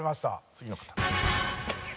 次の方。